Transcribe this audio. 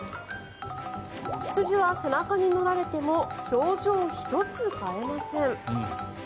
羊は背中に乗られても表情１つ変えません。